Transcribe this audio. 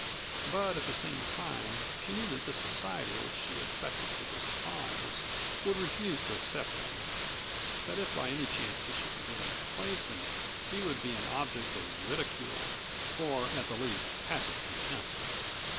But at the same time she knew that this society which she affected to despise would refuse to accept him; that if by any chance he should be given a place in it he would be an object of ridicule, or at the least passive contempt.